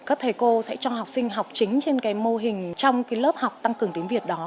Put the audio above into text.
các thầy cô sẽ cho học sinh học chính trên cái mô hình trong cái lớp học tăng cường tiếng việt đó